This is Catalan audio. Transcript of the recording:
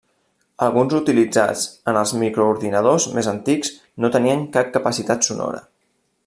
Alguns utilitzats en els microordinadors més antics no tenien cap capacitat sonora.